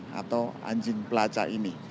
kipas yang ada di jcc